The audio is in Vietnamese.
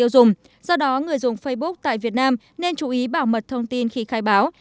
do đó người dùng facebook tại việt nam nên chú ý bảo mật thông tin khi khai báo